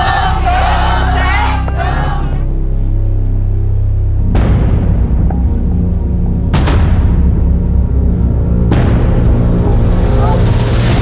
ถูก